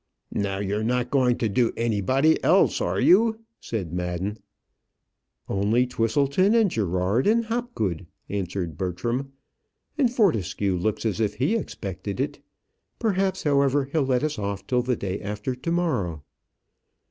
"Now, you're not going to do anybody else, are you?" said Madden. "Only Twisleton, and Gerard, and Hopgood," answered Bertram; "and Fortescue looks as if he expected it. Perhaps, however, he'll let us off till the day after to morrow."